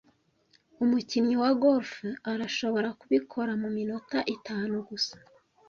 Umukinnyi wa golf arashobora kubikora muminota itanu gusa